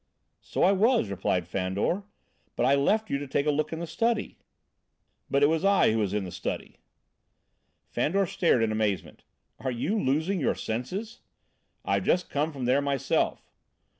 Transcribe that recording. "So I was," replied Fandor, "but I left you to take a look in the study." "But it was I who was in the study!" Fandor stared in amazement. "Are you losing your senses?" "I've just come from there myself!"